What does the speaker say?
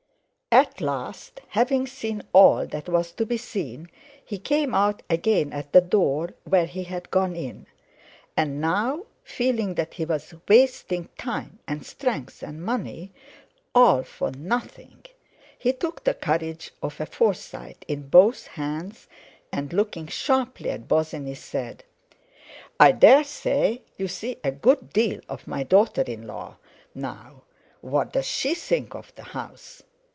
At last, having seen all that was to be seen, he came out again at the door where he had gone in; and now, feeling that he was wasting time and strength and money, all for nothing, he took the courage of a Forsyte in both hands, and, looking sharply at Bosinney, said: "I dare say you see a good deal of my daughter in law; now, what does she think of the house?